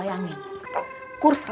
ada yang beli mobil